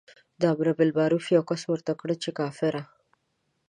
د امر بالمعروف یوه کس ورته کړه چې کافره.